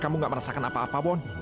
kamu gak merasakan apa apa bon